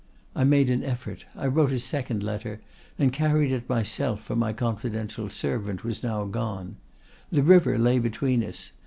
I made an effort; I wrote a second letter, and carried it myself, for my confidential servant was now gone. The river lay between us.